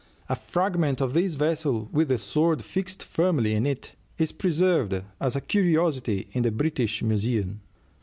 A fragment of this vessel, with the sword fixed firmly in it, is preserved as a curiosity in the British Museum.